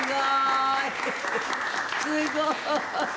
すごーい。